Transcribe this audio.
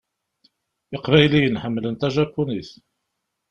Iqbayliyen ḥemmlen tajapunit.